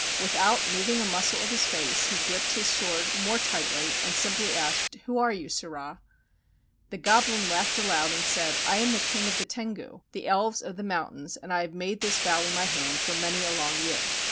Without moving a muscle of his face he gripped his sword more tightly and simply asked: "Who are you, sirrah?" The goblin laughed aloud and said: "I am the King of the Tengu,^ the elves of the mountains, and I have made this valley my home for many a long year.